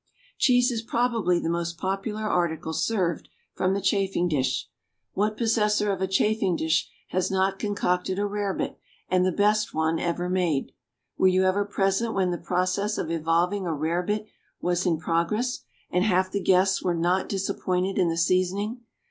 _ Cheese is probably the most popular article served from the chafing dish. What possessor of a chafing dish has not concocted a rarebit and the best one ever made? Were you ever present when the process of evolving a rarebit was in progress and half the guests were not disappointed in the seasoning?